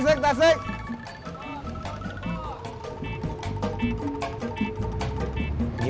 tasik tasik tasik tasik